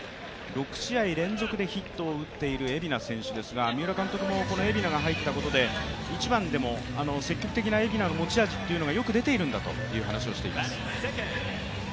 ６試合連続でヒットを打っている蝦名選手ですが、三浦監督も蝦名が入ったことで、１番でも積極的な蝦名の持ち味がよく出ているんだという話をしています。